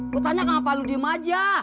gue tanya kenapa lo diem aja